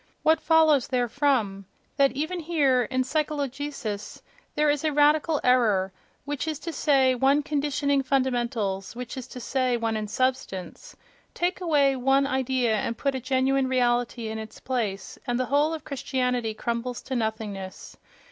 What follows therefrom? That even here, in psychologicis, there is a radical error, which is to say one conditioning fundamentals, which is to say, one in substance. Take away one idea and put a genuine reality in its place—and the whole of Christianity crumbles to nothingness!